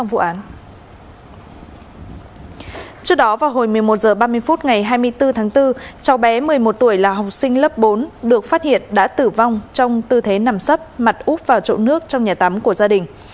trước đó vào hồi một mươi một h ba mươi phút ngày hai mươi bốn tháng bốn cháu bé một mươi một tuổi là học sinh lớp bốn được phát hiện đã tử vong trong tư thế nằm sấp mặt úp vào chỗ nước trong nhà tắm của gia đình